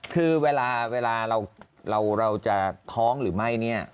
คือเวลาเราจะท้องหรือไม่เนี่ย